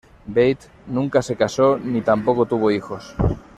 Beit nunca se casó, ni tampoco tuvo hijos.